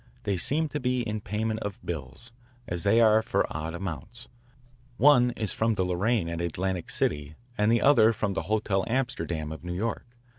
They seem to be in payment of bills, as they are for odd amounts. One is from the Lorraine at Atlantic City and the other from the Hotel Amsterdam of New York.